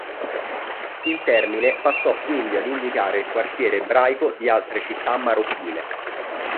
Il termine passò quindi ad indicare il quartiere ebraico di altre città marocchine.